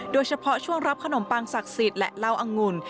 โดยเฉพาะช่วงรับขนมปังศักดิ์สิทธิ์และเล่าอังุ่น